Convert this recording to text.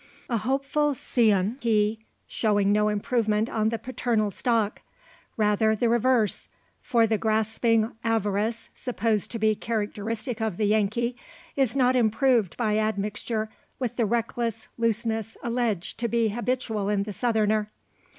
A hopeful scion he, showing no improvement on the paternal stock. Rather the reverse; for the grasping avarice, supposed to be characteristic of the Yankee, is not improved by admixture with the reckless looseness alleged to be habitual in the Southerner.